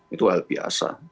itu hal biasa